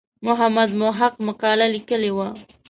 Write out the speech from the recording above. محمد محق مقاله لیکلې وه.